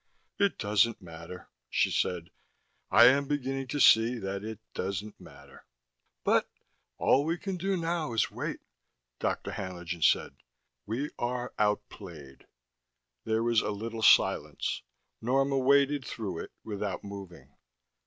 "It doesn't matter," she said. "I am beginning to see that it doesn't matter." "But " "All we can do now is wait," Dr. Haenlingen said. "We are outplayed." There was a little silence. Norma waited through it without moving.